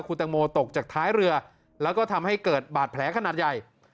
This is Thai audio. คุณตังโมตกจากท้ายเรือแล้วก็ทำให้เกิดบาดแผลขนาดใหญ่